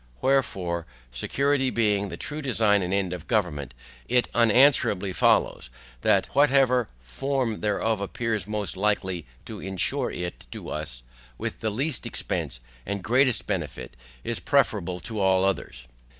WHEREFORE, security being the true design and end of government, it unanswerably follows that whatever FORM thereof appears most likely to ensure it to us, with the least expence and greatest benefit, is preferable to all others.